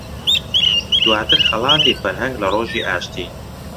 دواتر خەڵاتی فەرهەنگ لە ڕۆژی ئاشتی